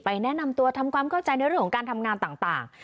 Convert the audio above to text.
แนะนำตัวทำความเข้าใจในเรื่องของการทำงานต่าง